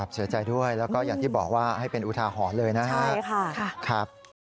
เสียใจด้วยแล้วก็อย่างที่บอกว่าให้เป็นอุทาหรณ์เลยนะครับ